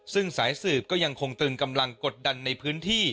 ซึ่งสายสืบก็ยังคงตึงกำลังกดดันในพื้นที่